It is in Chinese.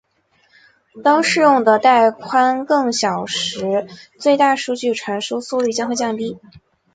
当适用的带宽更小时最大数据传输速率将会更低。